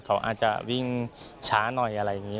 เขาอาจจะวิ่งช้าหน่อยอะไรอย่างนี้